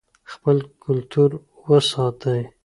خپل کلتور وساتئ.